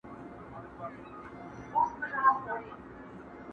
• انډیوالۍ کي چا حساب کړی دی ,